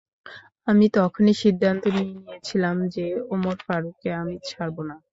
আমি তখনই সিদ্ধান্ত নিয়ে নিয়েছিলাম যে, ওমর ফারুককে আমি ছাড়ব না।